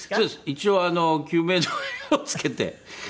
一応救命胴衣を着けてええ。